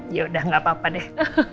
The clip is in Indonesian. yaudah gak apa apa deh